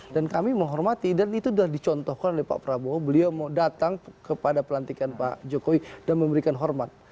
dan kami menghormati dan itu sudah dicontohkan oleh pak prabowo beliau mau datang kepada pelantikan pak jokowi dan memberikan hormat